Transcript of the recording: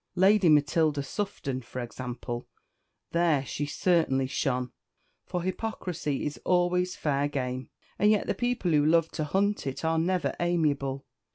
Lady Matilda Sufton, for example, there she certainly shone, for hypocrisy is always fair game; and yet the people who love to hunt it are never amiable.